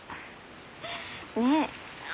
ねえ。